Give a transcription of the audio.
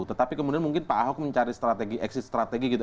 tetapi kemudian mungkin pak ahok mencari strategi exit strategi gitu